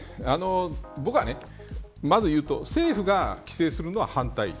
僕はまず政府が規制するのは反対。